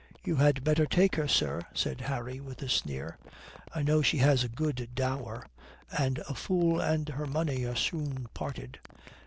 "You had better take her, sir," said Harry, with a sneer. "I know she has a good dower. And a fool and her money are soon parted."